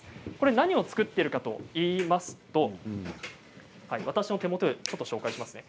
何を作っているかといいますと私の手元で紹介しますね。